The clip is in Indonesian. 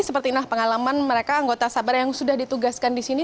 seperti pengalaman mereka anggota sabar yang sudah ditugaskan di sini